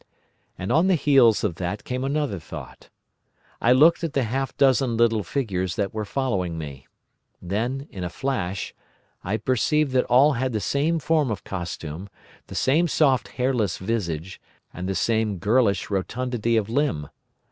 "And on the heels of that came another thought. I looked at the half dozen little figures that were following me. Then, in a flash, I perceived that all had the same form of costume, the same soft hairless visage, and the same girlish rotundity of limb.